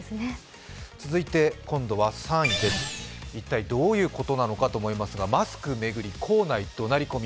続いて今度は３位です、一体どういうことなのかと思いますがマスク巡り校内怒鳴り込み。